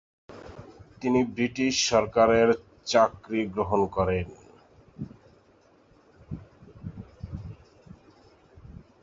তিনি ব্রিটিশ সরকারের চাকরি গ্রহণ করেন।